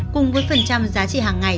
cùng với phần trăm giá trị hàng ngày